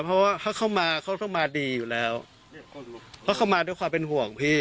เพราะว่าเขาเข้ามาเขาต้องมาดีอยู่แล้วเพราะเขามาด้วยความเป็นห่วงพี่